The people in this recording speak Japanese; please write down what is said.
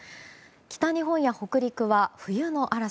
北日本や北陸は冬の嵐。